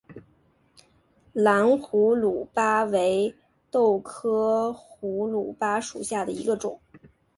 蓝胡卢巴为豆科胡卢巴属下的一个种。